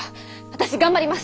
私頑張ります。